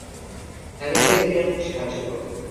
আমি চাই তুমি আমাকে সাহায্য করো।